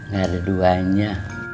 gak ada duanya